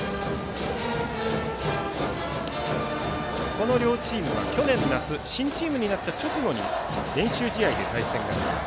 この両チームは去年夏新チームになった直後に練習試合で対戦があります。